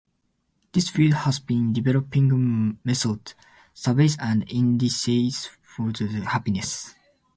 This field has been developing methods, surveys and indices to measure happiness.